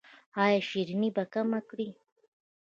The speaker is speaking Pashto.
ایا شیریني به کمه کړئ؟